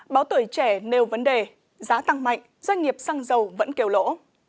báo tuổi trẻ nêu vấn đề giá tăng mạnh doanh nghiệp xăng dầu vẫn kêu lỗ